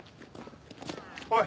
おい。